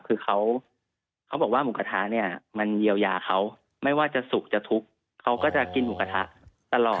คือเขาบอกว่าหมูกระทะเนี่ยมันเยียวยาเขาไม่ว่าจะสุกจะทุกข์เขาก็จะกินหมูกระทะตลอด